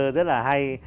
rất là hay